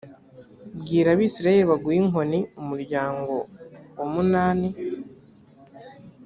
bwira abisirayeli baguhe inkoni umuryango wa munani